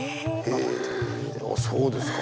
あそうですか。